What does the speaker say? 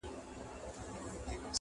• هر څوک د پېښې معنا بېله بېله اخلي,